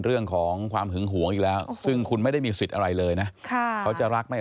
เรื่องของความหึงหวงอีกแล้วซึ่งคุณไม่ได้มีสิทธิ์อะไรเลยนะเขาจะรักไม่